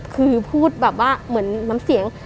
คือพูดแบบว่าเหมือนน้ำเสียง